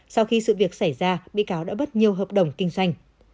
sau khi sự việc xảy ra bị cáo đã bất nhiều hợp đồng kinh doanh